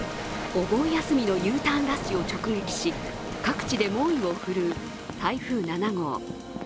お盆休みのＵターンラッシュを直撃し各地で猛威を振るう、台風７号。